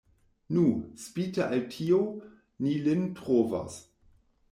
Nu, spite al tio, ni lin trovos.